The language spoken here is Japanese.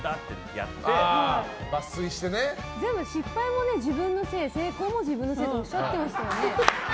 さっき全部失敗も自分のせい成功も自分のせいとおっしゃってましたよね？